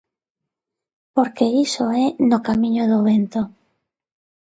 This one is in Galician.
Porque iso é 'No camiño do vento'.